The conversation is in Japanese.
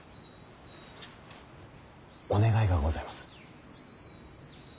お願いがございます。